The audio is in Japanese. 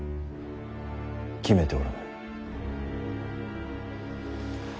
決めておらぬ。